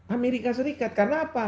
amerika serikat karena apa